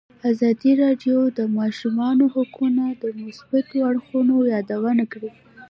ازادي راډیو د د ماشومانو حقونه د مثبتو اړخونو یادونه کړې.